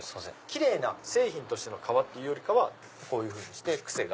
奇麗な製品としての革ってよりかこういうふうにして癖が。